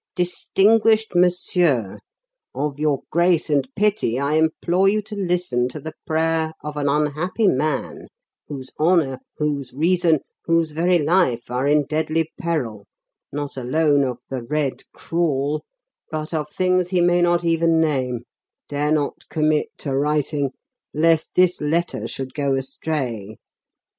"'DISTINGUISHED MONSIEUR: "'Of your grace and pity, I implore you to listen to the prayer of an unhappy man whose honour, whose reason, whose very life are in deadly peril, not alone of "The Red Crawl," but of things he may not even name, dare not commit to writing, lest this letter should go astray.